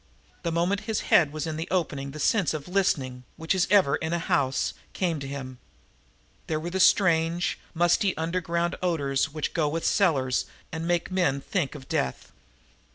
The moment his head was in the opening the sense of listening, which is ever in a house, came to him. There were the strange, musty, underground odors which go with cellars and make men think of death.